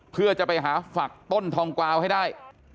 เพื่อจะไปหาฝักต้นทองกวาวให้ได้